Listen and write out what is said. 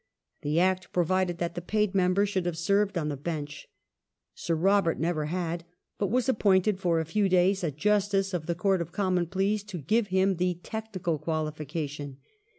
The Act provided that the paid member should have served on the Bench. Sir Robert never had, but was appointed for a few days a Justice of the Court of Common Pleas, to give him the technical qualification.